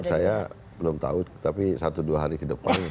saya belum tahu tapi satu dua hari ke depan